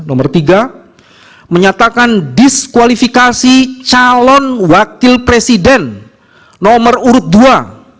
nomor tiga menyatakan diskualifikasi calon wakil presiden nomor urut dua